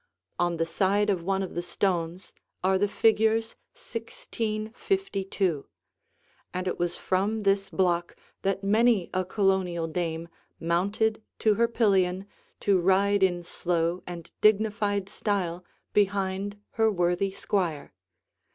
On the side of one of the stones are the figures 1652; and it was from this block that many a Colonial dame mounted to her pillion to ride in slow and dignified style behind her worthy squire.